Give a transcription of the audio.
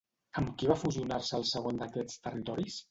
Amb qui va fusionar-se el segon d'aquests territoris?